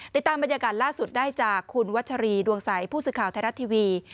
ติดตามบรรยากาศล่าสุดได้จากคุณวัชรีดวงใสผู้สื่อข่าวไทยรัฐทีวี